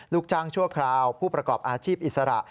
ลูกจ้างชั่วคราวผู้ประกอบอาชีพอิสระ